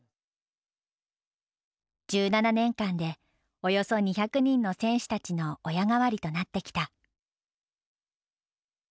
１７年間でおよそ２００人の選手たちの親代わりとなってきた。